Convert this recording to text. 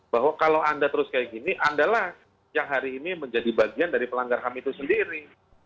bahwa kalau anda terus seperti ini anda lah yang hari ini menjadi bagian dari pelanggar ham itu sendiri